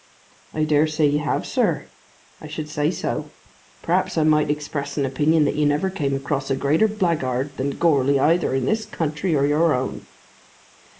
"I dare say you have, sir. I should say so. Perhaps I might express an opinion that you never came across a greater blackguard than Goarly either in this country or your own."